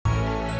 nih aku mau tidur